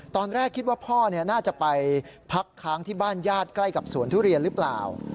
ตอนแรกคิดว่าพ่อน่าจะไปพักค้างที่บ้านญาติใกล้กับสวนทุเรียนหรือเปล่า